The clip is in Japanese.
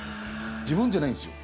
自分じゃないんすよ。